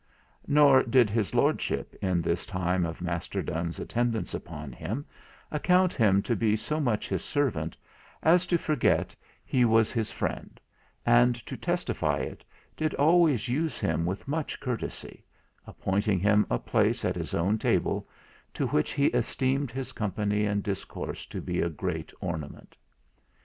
Nor did his Lordship, in this time of Master Donne's attendance upon him, account him to be so much his servant as to forget he was his friend; and, to testify it, did always use him with much courtesy, appointing him a place at his own table, to which he esteemed his company and discourse to be a great ornament.